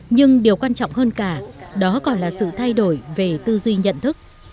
nhưng điều quan trọng hơn cả đó còn là sự thay đổi về tư duy nhận thức